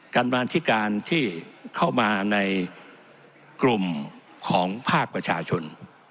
การมาธิการที่เข้ามาในกลุ่มของภาคประชาชน